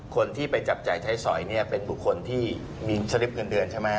คนที่ไปจับจ่ายใช้สอยเนี่ยเป็นบุคคลที่มีสลิปเงินเดือนใช่ไหม